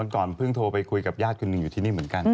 ก่อนเพิ่งโทรไปคุยกับญาติคุณหนึ่งอยู่ที่นี่เหมือนกัน